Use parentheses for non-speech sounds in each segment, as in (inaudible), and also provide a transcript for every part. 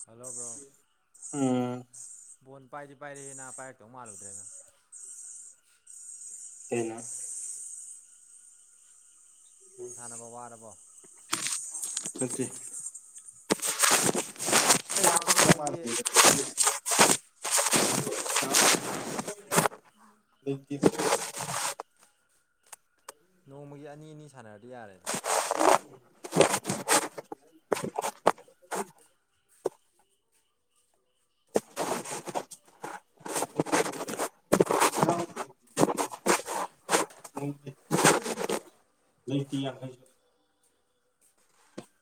ꯆꯂꯕ꯭ꯔꯣ ꯎꯝ ꯕꯣꯟ ꯄꯥꯏꯗꯤ ꯄꯥꯏꯔꯦ ꯍꯦꯅꯥꯕ ꯄꯥꯏꯔꯛꯇꯧ ꯃꯥꯜꯂꯨꯗ꯭ꯔꯦ ꯅꯪ ꯀꯩꯅꯣ ꯕꯣꯟ ꯁꯥꯟꯅꯕ ꯋꯥꯔꯕꯣ ꯅꯠꯇꯦ ꯍꯣꯏ ꯅꯣꯡꯃꯒꯤ (unintelligible) (unintelligible) ꯅꯣꯡꯃꯒꯤ ꯑꯅꯤ ꯑꯅꯤ ꯁꯥꯟꯅꯔꯗꯤ ꯌꯥꯔꯦꯗ ꯂꯩꯇꯦ ꯌꯪꯈꯩꯁꯨ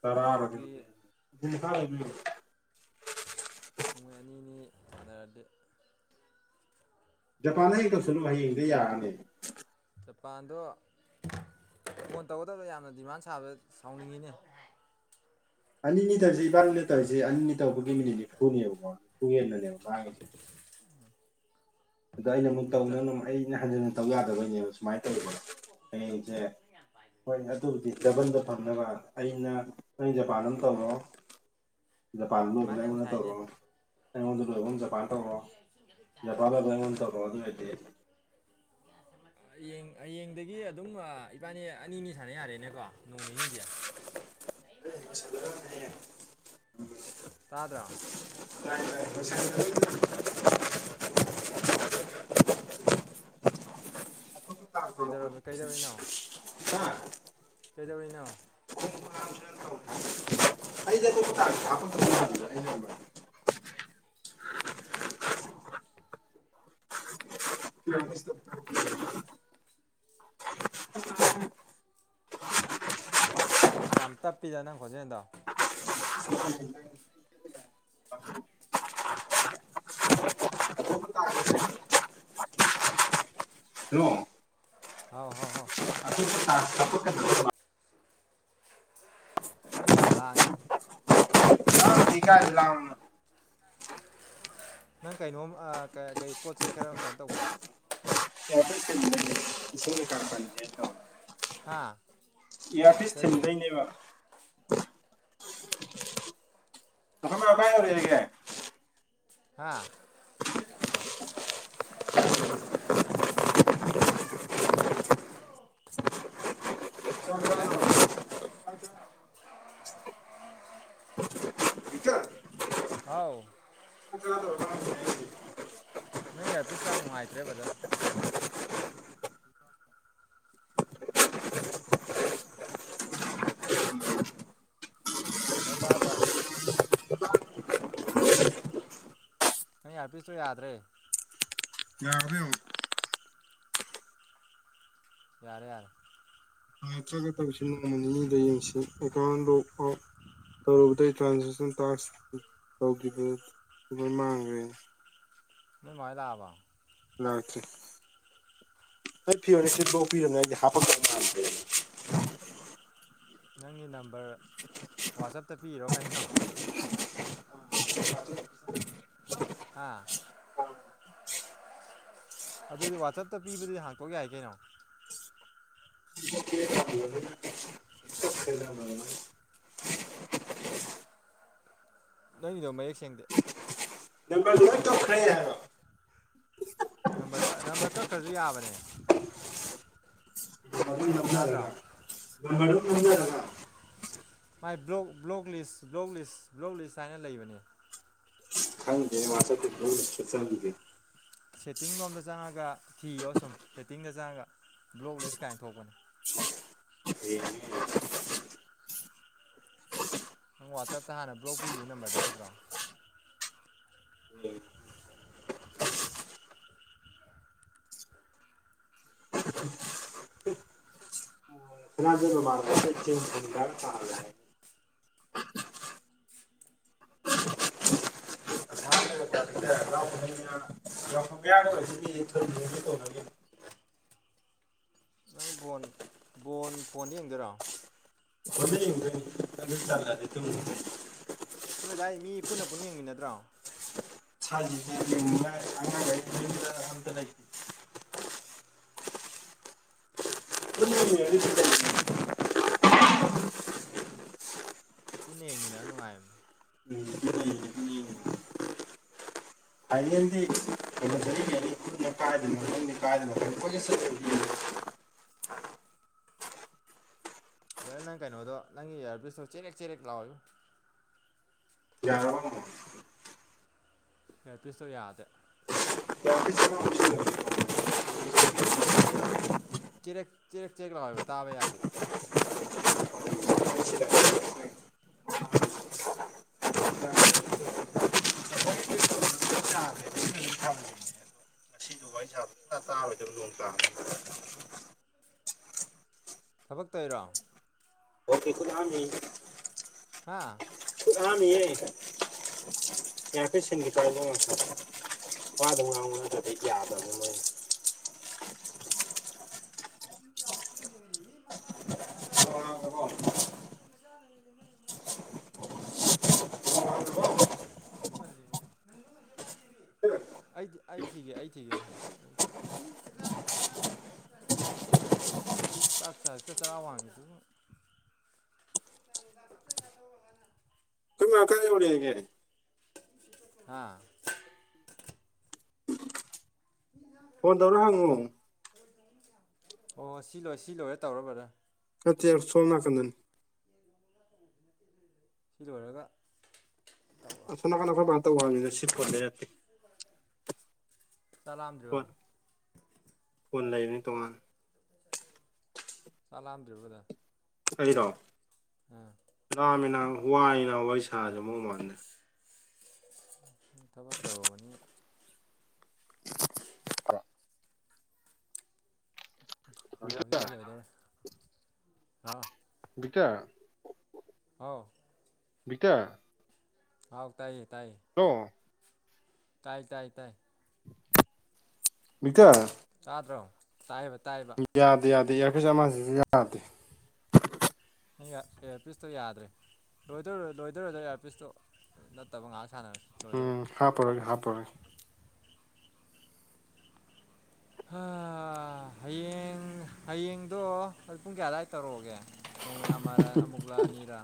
ꯇꯔꯥꯔꯀꯩꯅꯣꯝꯇ ꯅꯣꯡꯃꯒꯤ ꯎꯄꯨ ꯃꯈꯥꯂꯩꯕ꯭ꯔꯥ ꯌꯦꯡꯉꯣ ꯅꯣꯡꯃꯩ ꯑꯅꯤꯅꯤ ꯁꯥꯅꯔꯗꯤ ꯖꯄꯥꯟꯗ ꯍꯌꯦꯡ ꯇꯧꯁꯤꯜꯂꯨ ꯍꯌꯦꯡꯗꯩ ꯌꯥꯔꯅꯤ ꯖꯄꯥꯟꯗꯣ ꯐꯣꯟ ꯇꯧꯒꯗꯕꯗ ꯌꯥꯝꯅ ꯗꯤꯃꯥꯟ ꯁꯥꯕ ꯁꯥꯎꯅꯤꯡꯉꯤꯅꯦ ꯑꯅꯤꯅꯤ ꯇꯧꯔꯤꯁꯦ ꯏꯕꯥꯅꯤꯅ ꯇꯧꯔꯤꯁꯤ ꯑꯅꯤ ꯇꯧꯕꯒꯤ ꯃꯤꯅꯤꯠ ꯅꯤꯐꯨꯅꯦꯕꯀꯣ ꯍꯦꯟꯕꯅꯦꯕ (unintelligible) ꯑꯗ ꯑꯩꯅ ꯑꯃꯨꯛ ꯃꯤꯇ꯭ꯔ ꯇꯧꯅꯪꯅ ꯑꯃꯨꯛ ꯑꯩꯅ ꯍꯟꯖꯤꯟ ꯍꯟꯖꯤꯟꯅ ꯇꯧ ꯌꯥꯗꯕꯩꯅꯦꯕ ꯁꯨꯃꯥꯏ (unintelligible) ꯍꯌꯦꯡꯁꯦ ꯍꯣꯏ ꯑꯗꯨꯕꯨꯗꯤ ꯗꯕꯟꯗ ꯐꯪꯅꯕ ꯑꯩꯅ ꯅꯪ ꯖꯄꯥꯟ ꯑꯝ ꯇꯧꯔꯣ ꯖꯄꯥꯟ (unintelligible) ꯗꯤꯃꯥꯟ ꯌꯥꯝ ꯑꯩꯉꯣꯟꯗ ꯇꯧꯔꯣ ꯁꯥꯏꯅꯦ ꯑꯩꯉꯣꯟꯗ ꯂꯣꯏꯔꯕ ꯖꯄꯥꯟ ꯇꯧꯔꯣ ꯖꯄꯥꯟꯗ ꯑꯣ ꯑꯗꯨꯅꯗꯤ ꯍꯌꯦꯡ ꯍꯌꯦꯡꯗꯒꯤ ꯑꯗꯨꯝ ꯏꯕꯥꯅꯤ ꯑꯅꯤꯅꯤ ꯁꯥꯟꯅ ꯌꯥꯔꯦꯅꯦꯀꯣ ꯅꯣꯡ ꯅꯤꯅꯤꯗꯤ (unintelligible) ꯇꯥꯗ꯭ꯔꯣ (unintelligible) ꯀꯩꯗꯧꯔꯝꯃꯤ ꯀꯩꯗꯧꯔꯤꯅꯣ (unintelligible) ꯀꯩꯗꯧꯋꯤꯅꯣ ꯑꯩꯗ (unintelligible) (unintelligible) ꯌꯥꯝ ꯇꯞꯄꯤꯗ ꯅꯪ ꯈꯣꯟꯖꯦꯟꯗꯣ ꯑꯇꯣꯞꯄ ꯇꯥꯡ ꯀꯩꯅꯣ ꯍꯥꯎ ꯍꯥꯎ ꯍꯥꯎ ꯑꯇꯣꯞꯄ ꯇꯥꯡ ꯅꯪ ꯌꯥꯝ ꯂꯥꯡꯉꯦ ꯊꯤꯒꯥꯡ ꯂꯥꯎ ꯅꯪ ꯀꯩꯅꯣꯝ ꯑ ꯀ ꯀꯩ ꯄꯣꯠ ꯆꯩꯩ ꯈꯔ ꯀꯩꯅꯣ ꯇꯧꯕ꯭ꯔꯣ ꯏꯌꯥꯔꯄꯤꯁ ꯊꯤꯟꯕꯒꯤ ꯏꯁꯤꯡ ꯀꯩꯀꯥ ꯄꯟꯖꯦꯅ ꯇꯧꯔꯤ ꯍꯥꯥ ꯏꯌꯥꯔꯄꯤꯁ ꯊꯤꯟꯗꯣꯏꯅꯦꯕ ꯃꯐꯝ ꯀꯥꯏ ꯌꯧꯔꯤꯒꯦ (unintelligible) ꯍꯥꯥ ꯀꯔꯤ ꯍꯥꯏꯅꯕꯗ ꯚꯤꯛꯇꯔ ꯍꯥꯎ ꯆꯥꯛ ꯆꯥꯗꯧꯔꯕ ꯅ ꯑꯔꯄꯤꯤꯁ ꯌꯥꯝ ꯅꯨꯡꯉꯥꯏꯇ꯭ꯔꯦꯕꯗ ꯂꯇꯥꯗ꯭ꯔꯣ ꯑꯩ ꯏꯌꯥꯔꯄꯤꯁꯇꯣ ꯌꯥꯗ꯭ꯔꯦ ꯌꯥꯔꯦ ꯌꯥꯔꯦ ꯉꯥꯥꯏꯇ꯭ꯔꯒ ꯇꯧꯁꯤ ꯅꯣꯡꯃ ꯅꯤꯅꯤꯗ ꯌꯦꯡꯁꯤ ꯀꯩꯀꯥꯟ ꯂꯣꯛ ꯑꯥꯎ ꯇꯧꯔꯨꯕꯗ ꯇ꯭ꯔꯥꯟꯖꯦꯛꯁꯟ ꯇꯥꯛꯁ ꯇꯧꯈꯤꯕ ꯑꯗꯨ ꯃꯥꯡꯈ꯭ꯔꯦ ꯅꯣꯏ ꯃꯥ ꯍꯣꯏ ꯂꯥꯛꯑꯕꯣ ꯂꯥꯛꯇ꯭ꯔꯤ ꯍꯠ ꯄꯤꯔꯣꯅꯦ ꯁꯤꯠꯐꯥꯎ ꯄꯤꯔꯅꯦ ꯑꯩꯗꯤ ꯍꯥꯄꯛꯀꯅꯣ ꯍꯥꯏꯕꯅꯦ ꯅꯪꯒꯤ ꯅꯝꯕꯔ ꯋꯥꯆꯞꯇ ꯄꯤꯔꯣ ꯀꯩꯅꯣ ꯍꯥ ꯑꯗꯨꯗꯤ ꯋꯥꯆꯞꯇ ꯄꯤꯕꯗꯨꯗꯤ ꯍꯥꯡꯇꯣꯛ ꯌꯥꯏ ꯀꯩꯅꯣ ꯃꯥꯟꯗ꯭ꯔꯦ ꯅꯅꯤꯗꯣ ꯃꯌꯦꯛ ꯁꯦꯡꯗꯦ ꯅꯝꯕꯔꯗꯨ ꯂꯣꯏ ꯀꯛꯈ꯭ꯔꯦ ꯍꯥꯏꯕ ꯅꯝꯕꯔ ꯅꯝꯕꯔ ꯀꯛꯈ꯭ꯔꯁꯨ ꯌꯥꯕꯅꯦ ꯇꯥꯗ꯭ꯔꯣ ꯉꯖꯔꯒ ꯔ ꯃꯥ ꯅꯖꯔꯒ (unintelligible) ꯕ꯭ꯂꯣꯛ ꯂꯤꯁ ꯂꯤꯁ ꯕ꯭ꯂꯣꯛ ꯂꯤꯁ ꯍꯥꯏꯅ ꯂꯩꯕꯅꯤ ꯆ ꯆꯕꯤꯦ (unintelligible) ꯁꯦꯠꯇꯤꯡ ꯂꯣꯝꯗ ꯆꯪꯉꯒ ꯊꯤꯌꯣ ꯁꯨꯝ ꯁꯦꯠꯇꯤꯡꯗ ꯆꯪꯉꯒ ꯕ꯭ꯂꯣꯛ ꯂꯤꯁ ꯀꯥꯏ ꯊꯣꯛꯄꯅꯦ ꯍꯌꯦꯡꯅꯦ ꯅꯪ ꯋꯥꯆꯞꯇ ꯍꯥꯟꯅ ꯕ꯭ꯂꯣꯛ ꯄꯤꯈꯤꯕ ꯅꯝꯕꯔꯗ ꯌꯥꯎꯗ꯭ꯔꯣ (unintelligible) ꯑꯁꯥꯝꯗꯒ ꯄꯥꯔꯇꯤꯗ (unintelligible) ꯅꯪ ꯕꯣꯟ ꯕꯣꯟ ꯐꯣꯟꯗ ꯌꯦꯡꯗꯣꯏꯔꯣ ꯍꯣꯏꯗ ꯌꯦꯡꯗꯣꯏꯅꯤ (unintelligible) ꯅꯣꯏꯗꯥꯏ ꯃꯤ ꯄꯨꯟꯅ ꯄꯨꯟꯅ ꯌꯦꯡꯃꯤꯟꯅꯠꯗ꯭ꯔꯣ (unintelligible) ꯑꯗꯨꯝ ꯌꯦꯡꯉꯗꯤ ꯄꯨꯟꯅ ꯁꯤ ꯂꯩꯌꯦ ꯄꯨꯟꯅ ꯌꯦꯡꯃꯤꯟꯅꯕ ꯅꯨꯡꯉꯥꯏꯝ ꯎꯝ ꯑꯗꯨ ꯂꯩꯌꯦ ꯑꯗꯨ ꯌꯦꯡꯉꯦ (unintelligible) ꯕꯗꯔ ꯅꯪ ꯀꯩꯅꯣꯗꯣ ꯅꯪꯒꯤ ꯏꯌꯥꯔꯄꯤꯁꯇꯣ ꯆꯦꯔꯦꯛ ꯆꯦꯔꯦꯛ ꯂꯥꯎꯋꯦꯕꯣ ꯌꯥꯔꯕ ꯑꯃꯨꯛ ꯌꯦꯄꯤꯁꯣ ꯌꯥꯗꯦ ꯀꯌꯥꯃꯨꯛꯀꯤ ꯆꯥꯃꯝꯁꯨ ꯀꯤꯔꯦꯛ ꯆꯦꯔꯦꯛ ꯆꯦꯔꯦꯛ ꯂꯥꯎꯋꯦꯕ ꯇꯥꯕ ꯌꯥꯗꯦ ꯉꯁꯤꯗꯣ ꯋꯥꯔꯤ ꯁꯥꯕ ꯁꯨꯡꯇꯥ ꯇꯥꯔꯣꯏꯗꯕ ꯅꯣꯡ ꯇꯥꯕꯅꯤꯅ ꯊꯕꯛ ꯇꯩꯔꯣ ꯑ (unintelligible) ꯍꯥ ꯁꯟꯒꯤ ꯆꯕ (unintelligible) ꯑ ꯃꯔ ꯃꯥ (inaudible) ꯀ ꯃꯥ (unintelligible) ꯑꯩꯈꯣꯏ ꯑꯩ ꯑꯩ ꯊꯤꯒꯦ ꯑꯩ ꯊꯤꯒꯦ ꯆꯥꯛ ꯆ ꯍꯧꯖꯤꯛꯇ ꯆꯔꯋꯥꯟꯈꯤꯗꯨꯕꯨ ꯆ (unintelligible) ꯌꯧꯅꯦ ꯀꯦꯅꯦ (unintelligible) ꯍꯥꯥ ꯐꯣꯟ ꯇꯧꯔ ꯍꯪꯑꯣ ꯑꯣ ꯁꯤ ꯂꯣꯏꯔꯦ ꯁꯤ ꯂꯣꯏꯔꯒ ꯇꯧꯔꯣ ꯕ꯭ꯔꯗꯔ ꯅꯠꯇꯦ ꯁꯣꯝ ꯅꯀꯟꯗꯅꯤ ꯁꯤ ꯂꯣꯏꯔꯒ ꯇꯧꯔꯣ ꯑꯁꯣꯝ ꯅꯥꯀꯟꯗ ꯅꯈꯣꯏ ꯃꯥꯅ ꯇꯧꯈ꯭ꯔꯕꯅꯤꯗ ꯆꯥꯛ ꯂꯝꯗ꯭ꯔꯤꯕꯣ ꯀꯨꯟ ꯂꯩꯕꯅꯤ ꯇꯣꯉꯥꯟꯅ ꯆꯥꯛ ꯂꯥꯝꯗ꯭ꯔꯤꯕ ꯑꯩꯔꯣ ꯂꯥꯃꯤꯅ ꯋꯥꯏꯅ ꯋꯥꯔꯤ ꯁꯥꯁꯤ ꯑꯃꯨꯛ ꯃꯥꯜꯂꯦ ꯊꯕꯛ ꯇꯧꯔꯨꯕꯅꯤ ꯂꯣꯏꯗꯧꯔꯦ ꯂꯣꯏꯗꯧꯔꯦ ꯂꯛꯑꯣ ꯁꯤꯇ (unintelligible) ꯍꯥꯎ ꯕꯤꯇꯥꯔ ꯍꯥꯎ ꯇꯥꯏ ꯍ ꯇꯥꯏ ꯇꯥꯏ ꯇꯥꯏ ꯃꯤꯇꯥ ꯇꯗ꯭ꯔꯣ ꯇꯥꯏꯍꯏꯕ ꯌꯥꯗꯦ ꯌꯥꯗꯦ ꯆꯞ ꯃꯟꯅꯩ ꯑꯃꯁꯤꯁꯨ ꯌꯥꯗꯦ ꯏꯌꯥꯔꯄꯤꯤꯁꯇꯣ ꯌꯥꯗ꯭ꯔꯦ ꯂꯣꯏꯗꯧꯔꯦ ꯂꯣꯏꯗꯣꯔꯦꯗ ꯏꯌꯥꯔ ꯄꯤꯁꯇꯣ ꯅꯠꯇꯕ ꯉꯥꯛ ꯎꯝ ꯍꯥꯄꯔꯣꯏꯒꯦ ꯍꯥꯄꯔꯣꯏꯒꯦ ꯑ ꯍꯌꯦꯡ ꯍꯌꯦꯡꯗꯣ ꯑꯩ ꯄꯨꯡ ꯀꯌꯥ ꯑꯗꯨꯋꯥꯏꯗ ꯇꯧꯔꯛꯎꯒꯦ ꯅꯣꯡꯃꯩ ꯑꯃꯔꯥ ꯑꯃꯨꯛꯂ ꯑꯅꯤꯔꯥ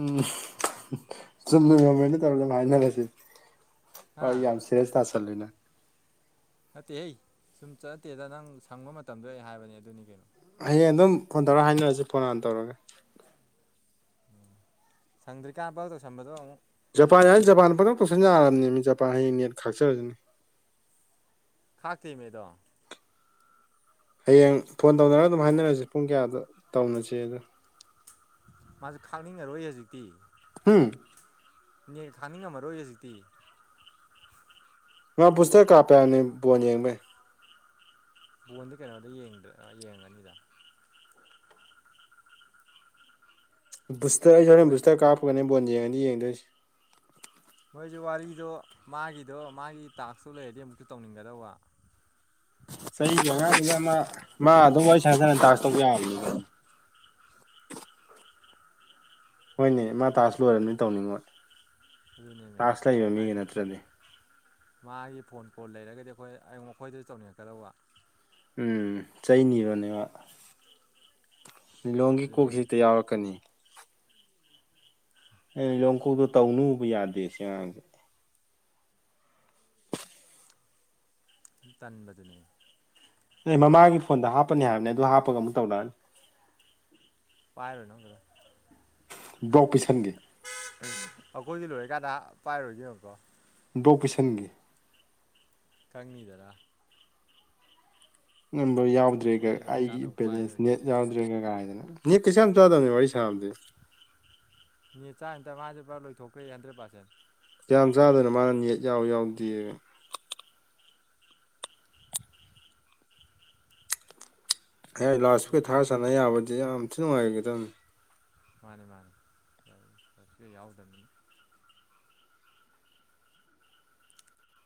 ꯎꯝ ꯆꯨꯝꯅ ꯀꯃꯦꯟꯗꯥ ꯇꯧꯔꯒ ꯍꯥꯏꯅꯔꯁꯤ ꯍꯥ ꯍꯣꯏ ꯌꯥꯝ ꯁ꯭ꯔꯤꯔꯦꯁ ꯇꯥꯥꯁꯜꯂꯤꯅꯦ ꯅꯠꯇꯦ ꯍꯩ ꯁꯨꯝ ꯆꯠꯇꯦꯗ ꯅꯪ ꯁꯪꯕ ꯃꯇꯝꯗꯣ ꯑꯩ ꯍꯥꯏꯕꯅꯦ ꯑꯗꯨꯅꯤ ꯀꯩꯅꯣ ꯍꯌꯦꯡ ꯑꯗꯨꯝ ꯐꯣꯟ ꯇꯧꯔ ꯍꯥꯏꯅꯔꯁꯤ ꯐꯣꯟ ꯍꯥꯟꯅ ꯇꯧꯔꯒꯦ ꯁꯪꯗ꯭ꯔꯤꯀꯥꯟ ꯄꯪꯇꯧꯗ ꯇꯧꯁꯤꯟꯕꯗꯣ ꯑꯃꯨꯛ ꯖꯄꯥꯟ ꯍꯥꯏ ꯖꯄꯥꯟ ꯄꯪꯇꯧꯗ ꯇꯧꯁꯤꯟꯕ ꯌꯥꯔꯕꯅꯦ ꯖꯄꯥꯟ ꯍꯌꯦꯡ ꯅꯦꯠ ꯈꯥꯛꯆꯔꯅꯤ ꯈꯥꯛꯇꯦꯃꯤ ꯑꯗꯣ ꯍꯌꯦꯡ ꯐꯣꯟ ꯇꯧꯅꯔꯒ ꯑꯗꯨꯝ ꯍꯥꯏꯅꯔꯁꯤ ꯄꯨꯡ ꯀꯌꯥꯗ ꯇꯧꯅꯁꯤꯦ ꯑꯗꯣ ꯃꯥꯁꯨ ꯈꯥꯡꯅꯤꯡꯉꯔꯣꯏ ꯍꯧꯖꯤꯛꯇꯤ ꯍꯨꯝ ꯅꯦꯠ ꯈꯥꯛꯅꯤꯡꯉꯝꯃꯔꯣꯏ ꯍꯧꯖꯤꯛꯇꯤ ꯃꯥ ꯄꯨꯁꯇꯔ ꯀꯥꯞꯄꯦ ꯍꯥꯏꯕꯅꯦ ꯕꯣꯟ ꯌꯦꯡꯕꯩ ꯕꯣꯟꯗꯤ ꯀꯩꯅꯣꯗ ꯌꯦꯡꯗ꯭ꯔꯦ ꯑ ꯌꯦꯡꯉꯅꯤꯗ ꯕꯨꯁꯇꯔ ꯑꯩꯁꯨ ꯃꯣꯏ ꯍꯣꯔꯦꯟ ꯕꯨꯁꯇꯔ ꯀꯥꯞꯄꯒꯅꯦ ꯕꯣꯟ ꯌꯦꯡꯉꯅꯤ ꯌꯦꯡꯗꯣꯏꯁꯦ ꯃꯣꯏꯁꯦ ꯋꯥꯔꯤꯗꯣ ꯃꯥꯒꯤꯗꯣ ꯃꯥꯒꯤ ꯇꯥꯛꯁꯇꯨ ꯂꯩꯔꯗꯤ ꯑꯃꯨꯛꯁꯨ ꯇꯧꯅꯤꯡꯒꯗꯧꯕ ꯆꯩꯒꯤ ꯑꯉꯥꯡꯅꯤꯗ ꯃꯥ ꯃꯥ ꯑꯗꯨꯝ ꯋꯥꯔꯤ ꯁꯟꯅ ꯁꯅ ꯗꯥꯁ ꯇꯧꯕ ꯌꯥꯕꯅꯤꯀꯩꯅꯣ (inaudible) ꯍꯣꯏꯅꯦ ꯃꯥ ꯇꯥꯁ ꯈꯔ ꯂꯣꯏꯔꯝꯅꯤ ꯇꯧꯅꯤꯡꯉꯣꯏ ꯑꯗꯨꯅꯦꯃꯤ ꯇꯥꯛꯁ ꯂꯩꯕ ꯃꯤꯒꯤ ꯍꯥꯏꯗꯤ ꯅꯠꯇ꯭ꯔꯗꯤ ꯃꯥꯒꯤ ꯐꯣꯟ ꯀꯣꯜ ꯂꯩꯔꯒꯗꯤ ꯑꯩꯈꯣꯏ ꯑꯑꯣ ꯃꯈꯣꯏꯗꯁꯨ ꯇꯧꯅꯤꯡꯉꯛꯀꯗꯧꯕ ꯎꯝ ꯆꯩꯅꯤꯕꯅꯦ ꯃꯥ ꯂꯤꯂꯣꯡꯒꯤ ꯑꯗꯨꯅꯦꯃꯤ ꯀꯣꯛꯁꯤꯍꯦꯛꯇ ꯌꯥꯎꯔꯛꯀꯅꯤ ꯑꯦ ꯂꯤꯂꯣꯡ ꯀꯣꯛꯇꯣ ꯇꯧꯅꯨꯕꯨ ꯌꯥꯗꯦ ꯁꯤ ꯑꯉꯥꯡꯁꯦ ꯇꯟꯕꯗꯨꯅꯦ ꯑꯦ ꯃꯃꯥꯒꯤ ꯐꯣꯟꯗ ꯍꯥꯞꯄꯅꯤ ꯍꯥꯏꯕꯅꯦ ꯑꯗꯨ ꯍꯥꯞꯄꯒ ꯑꯃꯨꯛ ꯇꯧꯔꯛꯑꯅꯤ ꯄꯥꯏꯔꯨꯅꯣ ꯕꯔꯗ ꯕ꯭ꯂꯣꯛ ꯄꯤꯁꯟꯒꯦ (unintelligible) ꯄꯥꯏꯔꯣꯏꯒꯦꯌꯦꯡꯉꯨꯀꯣ ꯕ꯭ꯂꯣꯛ ꯄꯤꯁꯟꯒꯦ ꯀꯪꯅꯤꯗꯅꯥ ꯅꯝꯕꯔ ꯌꯥꯎꯗ꯭ꯔꯦꯒ ꯑꯩꯈꯣꯏꯒꯤ ꯑꯩꯒꯤ ꯂꯣꯏꯔꯀꯥꯟꯗ ꯑꯃꯨꯛ ꯕꯦꯂꯦꯁ ꯅꯦꯠ ꯄꯥꯏꯔꯣꯏꯒꯦꯕ ꯌꯥꯎꯗ꯭ꯔꯦꯒ ꯒꯥꯏꯗꯅ ꯅꯤꯠ ꯀꯩꯁꯥ ꯌꯥꯝ ꯆꯥꯗꯕꯅꯦ ꯋꯥꯔꯤ ꯁꯥꯕꯗꯤ (unintelligible) ꯃꯥꯁꯦ ꯄꯨꯔꯥꯂꯣꯏꯊꯣꯛꯈꯔꯦꯌꯦ ꯍꯟꯗꯦꯇ ꯄꯥꯔꯁꯦꯟ ꯀꯌꯥꯝ ꯆꯥꯗꯣꯅꯣ ꯃꯥꯅ ꯅꯦꯠ ꯌꯥꯎꯌꯦ ꯌꯥꯎꯗꯦ ꯑꯩ ꯂꯥꯎꯁ ꯏꯁꯄꯤꯀꯔ ꯑꯩꯁꯦ ꯊꯥꯔ ꯁꯟꯅ ꯌꯥꯕꯗꯤꯌꯥꯔꯝ ꯊꯤ ꯅꯨꯡꯉꯥꯏꯒꯗꯕꯅꯤ ꯃꯥꯅꯦ ꯃꯥꯅꯦ ꯑꯆꯣꯏ ꯌꯥꯎꯗꯔꯥꯗꯤ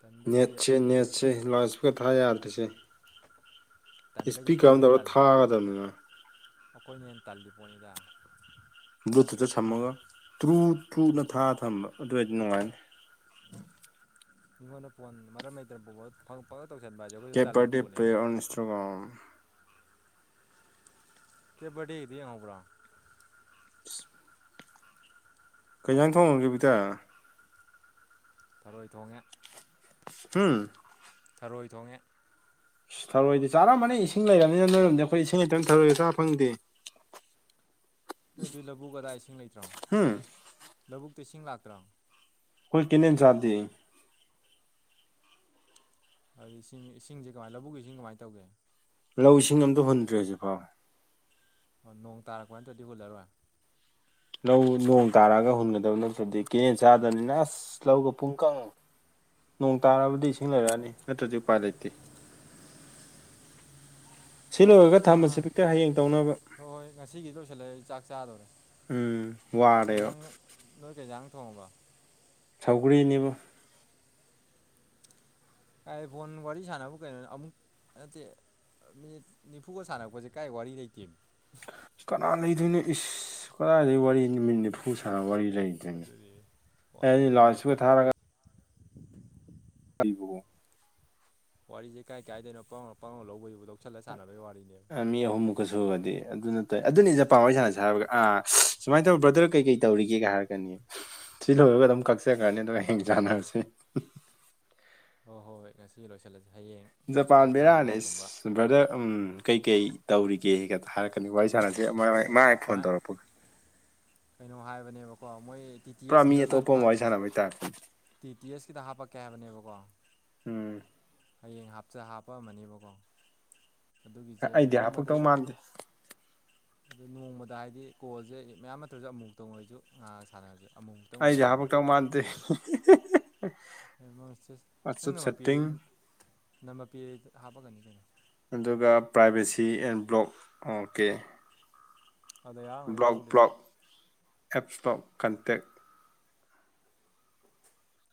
ꯇꯟꯕꯩꯗꯤ ꯅꯦꯠꯁꯦ ꯑꯩꯈꯣꯏꯁꯦ ꯅꯦꯠꯁꯦ ꯂꯥꯎꯠ ꯏꯁꯄꯤꯀꯔ ꯊꯥ ꯌꯥꯗ꯭ꯔꯤꯁꯦ ꯇꯟꯕꯩꯗꯤ ꯏꯁꯄꯤꯀꯔ ꯑꯩꯈꯣꯏꯅ ꯑꯃ ꯍꯦꯟꯅ ꯇꯧꯔ ꯇꯜꯂꯤ ꯊꯥꯒꯗꯕꯅꯤ ꯃꯥ ꯑꯩꯈꯣꯏꯅ ꯍꯦꯟ ꯇꯜꯂꯤꯄꯣꯠꯅꯤꯗ ꯕ꯭ꯂꯨꯇꯨꯠꯇ ꯁꯝꯃꯒ ꯇ꯭ꯔꯨ ꯇ꯭ꯔꯨꯅ ꯊꯥꯔ ꯊꯝꯕ ꯑꯗꯨꯏ ꯑꯣꯗꯤ ꯅꯨꯡꯉꯥꯏꯅꯤ ꯃꯤꯉꯣꯟꯗ ꯐꯣꯟ ꯃꯔꯝ ꯂꯩꯇꯅ ꯕꯣꯕꯠ ꯐꯪꯄꯠ ꯀꯦꯄꯔꯗꯦ ꯄꯔꯦ ꯑꯣꯟ ꯏꯁꯇ꯭ꯔꯒ꯭ꯔꯝ ꯀꯦꯕꯔꯗꯦꯒꯤꯗꯣ ꯌꯦꯡꯍꯧꯕ꯭ꯔꯣ (unintelligible) ꯀꯩꯖꯥꯡ ꯊꯣꯡꯉꯒꯦ ꯕꯤꯇꯔ ꯊꯔꯣꯏ ꯊꯣꯡꯉꯦ ꯍꯨꯝ ꯊꯔꯣꯏ ꯊꯣꯡꯉꯦ ꯏꯁ ꯊꯔꯣꯏꯗꯤ ꯆꯥꯔꯝꯃꯅꯤ ꯏꯁꯤꯡ ꯂꯩꯔꯝꯅꯤꯅ ꯅꯣꯏꯔꯣꯝꯗꯤ ꯑꯩꯈꯣꯏ ꯏꯁꯤꯡ ꯂꯩꯇꯕꯅꯤꯅ ꯊꯔꯣꯏꯒ ꯆꯥ ꯐꯪꯗꯦ (inaudible) ꯅꯣꯏ ꯑꯗꯨꯏ ꯂꯧꯕꯨꯛ ꯑꯗꯥꯏ ꯏꯁꯤꯡ ꯂꯩꯇ꯭ꯔꯣ ꯂꯧꯕꯨꯛꯇ ꯏꯁꯤꯡ ꯂꯥꯛꯇ꯭ꯔꯣ ꯍꯣꯏ ꯀꯦꯅꯦꯟ ꯆꯥꯗꯦ ꯑꯗꯨ ꯏꯁꯤꯡ ꯏꯁꯤꯡꯁꯦ ꯀꯃꯥꯏ ꯂꯧꯕꯨꯛꯒꯤ ꯏꯁꯤꯡ ꯀꯃꯥꯏ ꯇꯧꯒꯦ ꯂꯧ ꯏꯁꯤꯡ ꯑꯝꯇ ꯍꯨꯟꯗ꯭ꯔꯦ ꯍꯧꯖꯤꯛꯐꯥꯎ ꯑꯣ ꯅꯣꯡ ꯇꯥꯔꯛꯄ ꯅꯠꯇꯗꯤ ꯍꯨꯜꯂꯔꯣꯏ ꯂꯧ ꯅꯣꯡ ꯇꯥꯔꯛꯑꯒ ꯍꯨꯟꯒꯗꯕ ꯅꯠꯇꯔꯗꯤ ꯀꯦꯅꯦꯟ ꯆꯥꯗꯝꯅꯤꯅ ꯑꯁ ꯂꯧꯒ ꯄꯨꯡꯀꯪ ꯅꯣꯡ ꯇꯥꯔꯕꯨꯗꯤ ꯏꯁꯤꯡ ꯂꯩꯔꯛꯑꯅꯤ ꯅꯠꯇ꯭ꯔꯗꯤ ꯎꯄꯥꯏ ꯂꯩꯇꯦ ꯁꯤ ꯂꯣꯏꯔꯒ ꯑꯥ ꯊꯝꯃꯁꯤ ꯕꯤꯛꯇꯔ ꯍꯌꯦꯡ ꯇꯧꯅꯕ ꯍꯣ ꯍꯣꯏ ꯉꯁꯤꯒꯤꯗꯤ ꯂꯣꯏꯁꯤꯜꯂ ꯑꯩ ꯆꯥꯛ ꯆꯥꯗꯧꯔꯦ ꯎꯝ ꯋꯥꯔꯦꯕ ꯅꯣꯏ ꯀꯩ ꯑꯟꯖꯥꯡ ꯊꯣꯡꯉꯕ ꯁꯧꯒꯔꯤꯅꯤꯕꯣ ꯀꯥꯏ ꯐꯣꯟ ꯋꯥꯔꯤꯁꯅꯕꯨ ꯀꯩꯅꯣ ꯑꯃꯨꯛ ꯅꯠꯇꯦ ꯃꯤꯅꯤꯠ ꯅꯤꯐꯨꯒ ꯁꯥꯟꯅꯕꯁꯦ ꯀꯥꯏ ꯋꯥꯔꯤ ꯂꯩꯇꯦꯃꯤ ꯀꯅꯥ ꯂꯩꯗꯣꯏꯅꯣ ꯏꯁ ꯀꯗꯥꯏꯗꯒꯤ ꯋꯥꯔꯤꯅꯣ ꯅꯨꯃꯤꯠ ꯅꯤꯐꯨ ꯅꯠꯇꯦ ꯁꯥꯕ ꯋꯥꯔꯤ ꯂꯩꯇꯦꯅꯦ ꯑꯗꯨꯅꯤ ꯑꯩ ꯋꯥꯔꯤ ꯗꯤ ꯑꯗꯨꯅꯤ ꯂꯥꯎꯠ ꯁ꯭ꯄꯤꯀꯔ ꯑꯩꯈꯣꯏ ꯊꯥꯔꯒ ꯀꯜꯕꯨ (unintelligible) ꯋꯥꯔꯤꯁꯦ ꯀꯥꯏ ꯀꯥꯏꯗꯣꯏꯅꯣ ꯄꯡꯂꯧ ꯄꯡꯂꯧ ꯂꯧꯕꯒꯤꯕꯨ ꯃꯤ ꯑꯍꯨꯝꯃꯨꯛꯀ ꯁꯨꯔꯗꯤ ꯑꯗꯨ ꯅꯠꯇꯦ ꯑꯗꯨꯅꯤ ꯖꯄꯥꯟ ꯋꯥꯔꯤ ꯁꯥꯟꯅꯩꯁꯦ ꯑꯥ ꯁꯨꯃꯥꯏꯅ ꯇꯧ ꯕ꯭ꯔꯗꯔ ꯀꯩ ꯀꯩ ꯇꯧꯔꯤꯒꯦ ꯀꯥꯏ ꯍꯥꯏꯔꯛꯀꯅꯤ ꯁꯤ ꯂꯣꯏꯔꯒ ꯑꯗꯨꯝ ꯀꯛꯆꯈ꯭ꯔꯅꯤ ꯑꯗꯨꯒ ꯍꯌꯦꯡ ꯆꯥꯟꯅꯔꯁꯤ ꯍꯣꯏ ꯍꯣꯏ ꯍꯣꯏ ꯉꯁꯤ ꯂꯣꯏꯁꯤꯜꯂꯁꯤ ꯍꯌꯦꯡ ꯖꯄꯥꯟ ꯆꯥꯛ ꯕꯦꯔꯥꯅꯦ ꯆꯥꯔꯝꯗꯥꯏꯒꯨꯝꯕ ꯑꯥ ꯕ꯭ꯔꯗꯔ ꯎꯝ ꯀꯩꯀꯩ ꯇꯧꯔꯤꯒꯦ ꯍꯥꯏꯔꯛꯀꯅꯤ ꯁꯥꯟꯅꯁꯦ ꯍꯌꯦꯡ ꯃꯥꯥꯏ ꯍꯦꯛ ꯐꯣꯟ ꯁꯨꯃꯥꯏ ꯇꯧꯔꯛꯄꯒ ꯀꯩꯅꯣ ꯍꯥꯏꯕꯅꯦꯕꯀꯣ ꯃꯣꯏ ꯇꯤ ꯇꯤ ꯄꯨꯔꯥ ꯃꯤ ꯑꯦꯁꯀꯤꯗꯣ ꯂꯥ ꯑꯇꯣꯞꯄ ꯊꯥ ꯑꯃ ꯋꯥꯔꯤ ꯁꯟꯅꯕꯒꯤ ꯇꯥꯞꯇ ꯇꯤ ꯇꯤ ꯑꯦꯁꯀꯤꯗ ꯍꯥꯞꯄꯛꯀꯦ ꯍꯥꯏꯕꯅꯦꯕꯀꯣ ꯎꯝ ꯍꯌꯦꯡ ꯍꯥꯞꯆ ꯍꯥꯞꯄꯛꯑꯝꯃꯅꯤꯕꯀꯣ ꯑꯩꯗꯤ ꯍꯥꯞꯄꯛꯇꯧ ꯃꯥꯟꯗꯦ ꯅꯣꯡꯃꯗ ꯍꯥꯏꯗꯤ ꯀꯣꯜꯁꯦ ꯃꯌꯥꯝ ꯅꯠꯇ꯭ꯔꯁꯨ ꯑꯃꯨꯛꯇꯪ ꯑꯣꯏꯔꯁꯨ ꯉꯥꯍꯥꯛ ꯉꯥꯍꯥꯛ ꯁꯥꯟꯅꯔꯁꯦ ꯑꯃꯨꯛꯇꯪ ꯑꯣꯏꯔꯁꯨ ꯑꯩꯗꯤ ꯍꯥꯄꯛꯇꯧ ꯃꯥꯥꯟꯗꯦ ꯍꯤꯍꯤꯍꯤ ꯁꯥꯟꯅꯔꯁꯦ ꯅꯪ ꯑꯆꯨꯞ ꯅꯝꯕꯔ ꯄꯤꯔꯦ ꯁꯦꯇꯤꯡ ꯅꯝꯕꯔ ꯄꯤꯔꯗꯤ ꯍꯥꯞꯄꯛꯀꯅꯤ ꯀꯩꯅꯣ ꯑꯗꯨꯒ ꯄ꯭ꯔꯥꯏꯚꯦꯁꯤ ꯑꯦꯟ ꯕ꯭ꯂꯣꯛ ꯑꯣ ꯀꯦ ꯑꯗ ꯌꯥꯎꯔꯝꯒꯅꯤ ꯕ꯭ꯔꯣꯛ ꯂꯤꯁꯇ ꯑꯦꯞꯁꯇꯣꯛ ꯀꯟꯇꯦꯛ